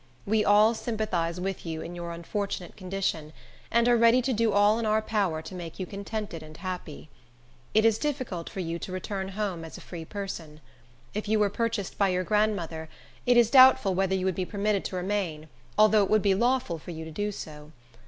We all sympathize with you in your unfortunate condition, and are ready to do all in our power to make you contented and happy. It is difficult for you to return home as a free person. If you were purchased by your grandmother, it is doubtful whether you would be permitted to remain, although it would be lawful for you to do so.